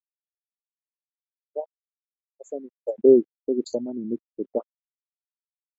mamaka konyanyasani kandoik che kipsomaninik cheto